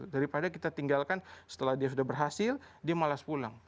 daripada kita tinggalkan setelah dia sudah berhasil dia malas pulang